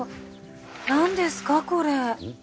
何ですかこれ？